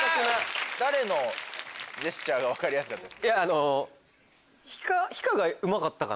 誰のジェスチャーが分かりやすかったですか？